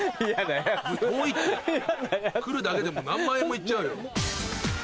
来るだけでも何万円も行っちゃうよ。